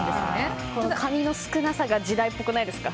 髪の少なさが時代っぽくないですか？